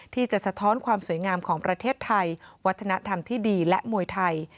สะท้อนความสวยงามของประเทศไทยวัฒนธรรมที่ดีและมวยไทย